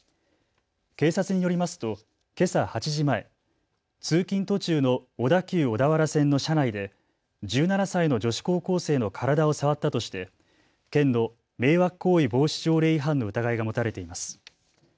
警察によりますとけさ８時前、通勤途中の小田急小田原線の車内で１７歳の女子高校生の体を触ったとして県の迷惑迷惑行為防止条例違反の疑いが持たれています。